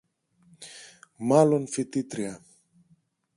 Μάλλον φοιτήτρια